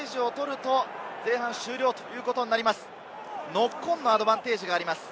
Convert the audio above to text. ノックオンのアドバンテージがあります。